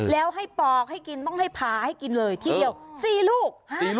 แล้วให้ปอกให้กินต้องให้พาให้กินเลยทีเดียว๔ลูก